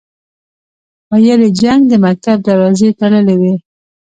ویل یې جنګ د مکتب دروازې تړلې وې.